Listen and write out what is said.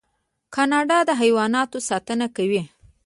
کاناډا د حیواناتو ساتنه کوي.